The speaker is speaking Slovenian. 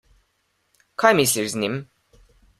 Kaj misliš z njim?